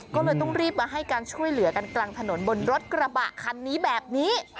ก็เลยต้องรีบมาให้การช่วยเหลือกันกลางถนนบนรถกระบะคันนี้แบบนี้